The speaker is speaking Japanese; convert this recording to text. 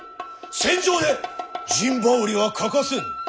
戦場で陣羽織は欠かせぬ。